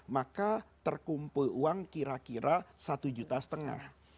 maka terkumpul uang kira kira satu juta setengah